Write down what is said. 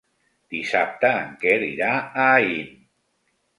Dissabte en Quer irà a Aín.